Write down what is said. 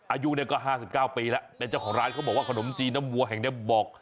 อายุเนี่ยก็๕๙ปีแล้วเป็นเจ้าของร้านเขาบอกว่าขนมจีนน้ำวัวแห่งนี้บอก